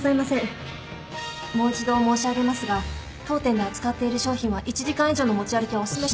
もう一度申し上げますが当店で扱っている商品は１時間以上の持ち歩きはおすすめして